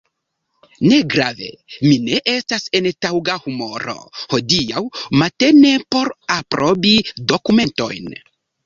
Negrave, mi ne estas en taŭga humoro hodiaŭ matene por aprobi dokumentojn.